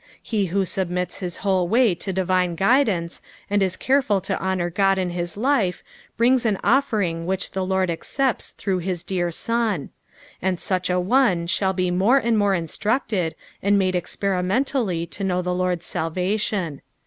He who submits his whole way to divine guidance, and is careful to honour God in his life, brings an offering which the Lord accepts thtougb his dear Sod ; PSALM THE FIFTIETH. 43? sad such a one shall be more and more instructed, and made experimentallj to know the Lord's sftlration.